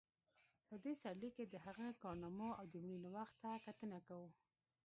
په دې سرلیک کې د هغه کارنامو او د مړینې وخت ته کتنه کوو.